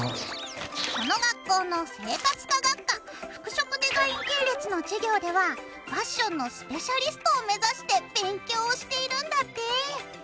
この学校の生活科学科服飾デザイン系列の授業ではファッションのスペシャリストを目指して勉強をしているんだって。